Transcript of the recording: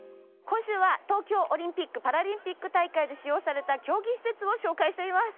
今週は東京オリンピックパラリンピック大会で使用された競技施設を紹介しています。